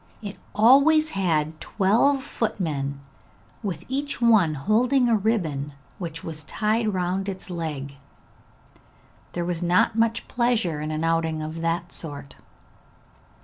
It always had twelve footmen, with each one holding a ribbon which was tied round its leg. There was not much pleasure in an outing of that sort.